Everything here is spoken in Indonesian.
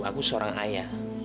aku seorang ayah